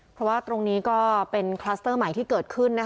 เพราะว่าตรงนี้ก็เป็นคลัสเตอร์ใหม่ที่เกิดขึ้น